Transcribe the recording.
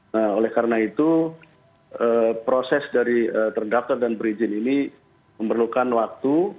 nah oleh karena itu proses dari terdaftar dan berizin ini memerlukan waktu